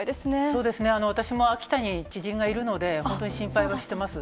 そうですね、私も秋田に知人がいるので、本当に心配はしてます。